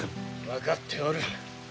分かっておる。